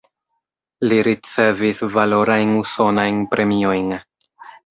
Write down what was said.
Li ricevis valorajn usonajn premiojn.